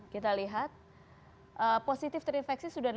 kita lihat positif terinfeksi sudah delapan puluh satu ribu